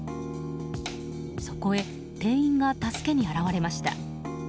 そこへ店員が助けに現れました。